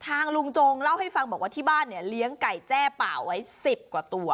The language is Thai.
ทางรุงโจงเล่าให้ฟังว่าที่บ้านเลี้ยงไก่แจ้เปล่าไว้๑๐กว่าตัว